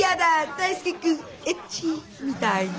大介君エッチ！」みたいな？